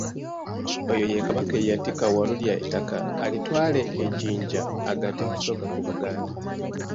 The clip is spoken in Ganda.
Oyo ye Kabaka eyatikka Walulya ettaka alitwale aliyiwe e Jjinja agatte Busoga ku Buganda.